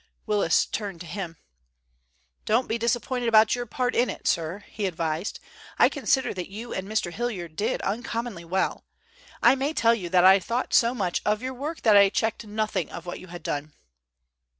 Willis turned to him. "Don't be disappointed about your part in it, sir," he advised. "I consider that you and Mr. Hilliard did uncommonly well. I may tell you that I thought so much of your work that I checked nothing of what you had done."